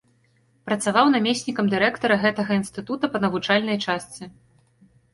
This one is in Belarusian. Працаваў намеснікам дырэктара гэтага інстытута па навучальнай частцы.